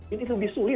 ini lebih sulit